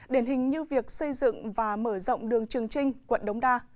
điển hình như việc xây dựng và mở rộng đường trường trinh quận đống đa